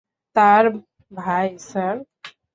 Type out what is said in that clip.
তার ভাই, স্যার।